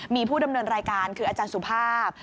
มีผู้ดำเนินรายการคืออาจารย์สุภาพ